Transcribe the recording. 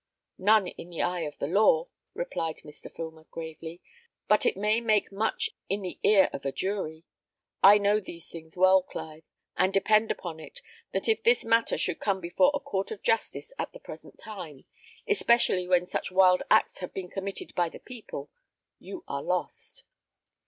"None in the eye of the law," replied Mr. Filmer, gravely; "but it may make much in the ear of a jury. I know these things well, Clive; and depend upon it, that if this matter should come before a court of justice at the present time, especially when such wild acts have been committed by the people, you are lost.